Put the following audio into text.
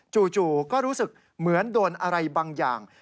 จู่ก็รู้สึกเหมือนโดนอะไรบางอย่าง